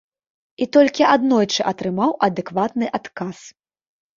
І толькі аднойчы атрымаў адэкватны адказ.